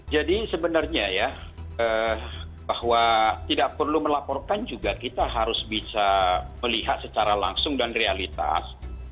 jadi sebenarnya ya bahwa tidak perlu melaporkan juga kita harus bisa melihat secara langsung dan realitas